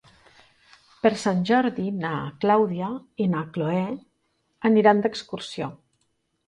Per Sant Jordi na Clàudia i na Cloè aniran d'excursió.